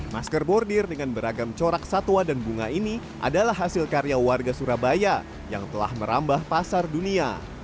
masker bordir dengan beragam corak satwa dan bunga ini adalah hasil karya warga surabaya yang telah merambah pasar dunia